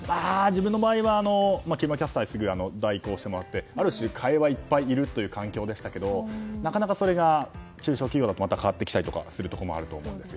自分の場合は木村キャスターにすぐに代行してもらってある種替えはいっぱいいる環境でしたけどなかなかそれが中小企業だと変わってきたりすることがあると思うんです。